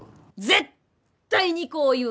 絶対にこう言う。